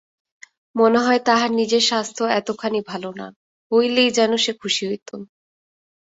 মনে হয় তাহার নিজের স্বাস্থ্য এতখানি ভালো না হইলেই যেন সে খুশি হইত।